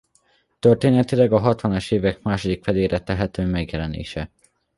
Történetileg a hatvanas évek második felére tehető megjelenése.